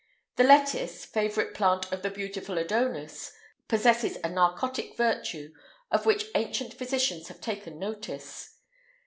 The lettuce favourite plant of the beautiful Adonis[IX 130] possesses a narcotic virtue, of which ancient physicians have taken notice.